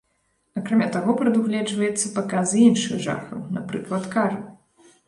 Акрамя таго прадугледжваецца паказ і іншых жахаў, напрыклад, кары.